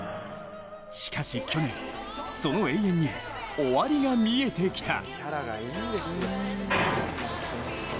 しかし去年、その永遠に終わりが見えてきた。